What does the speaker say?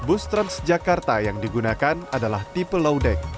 bus transjakarta yang digunakan adalah tipe low deck